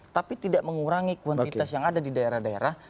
tapi tidak mengurangi kuantitas yang ada di daerah daerah